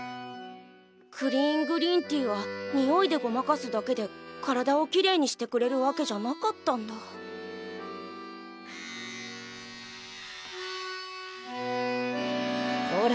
クリーングリーンティはにおいでごまかすだけで体をきれいにしてくれるわけじゃなかったんだこら